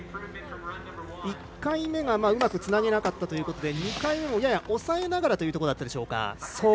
１回目がうまくつなげなかったということで２回目もやや抑えながらというところだったでしょうか。